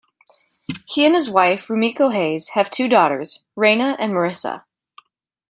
He and his wife, Rumiko Hayes, have two daughters, Reina and Marissa.